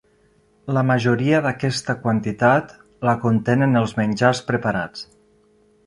La majoria d'aquesta quantitat la contenen els menjars preparats.